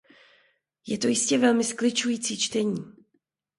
Je to jistě velmi skličující čtení.